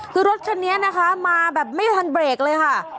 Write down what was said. คือรถคันนี้นะคะมาแบบไม่ทันเบรกเลยค่ะ